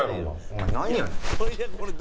お前なんやねん？